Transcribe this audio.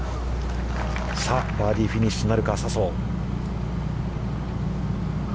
さあバーディーフィニッシュなるか笹生。